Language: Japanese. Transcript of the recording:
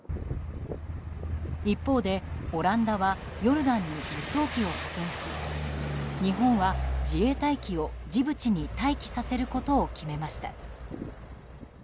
一方でオランダはヨルダンに輸送機を派遣し日本は、自衛隊機をジブチに待機させることを決めました。